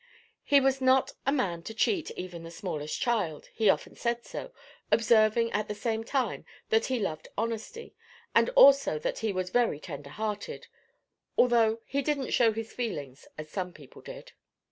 He was not a man to cheat even the smallest child—he often said so, observing at the same time that he loved honesty, and also that he was very tender hearted, though he didn't show his feelings as some people did.